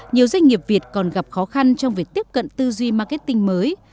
nhiều doanh nghiệp việt còn gặp khó khăn trong việc tiếp cận tư duy marketing mới